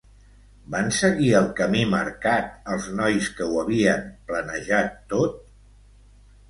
Van seguir el camí marcat els nois que ho havien planejat tot?